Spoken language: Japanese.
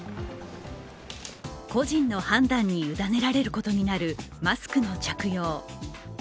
個人の判断に委ねられることになるマスクの着用。